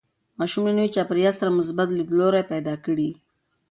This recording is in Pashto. ماشوم له نوي چاپېریال سره مثبت لیدلوری پیدا کړي.